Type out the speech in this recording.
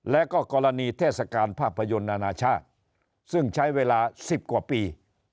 แล้วก็กรณีเทศกาลภาพยนตร์นานาชาติซึ่งใช้เวลา๑๐กว่าปี